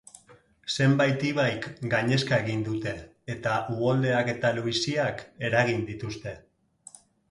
Zenbait ibaik gainezka egin dute, eta uholdeak eta luiziak eragin dituzte.